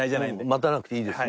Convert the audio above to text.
待たなくていいですか？